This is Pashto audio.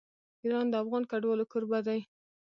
ایران د افغان کډوالو کوربه دی.